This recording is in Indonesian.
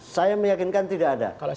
saya meyakinkan tidak ada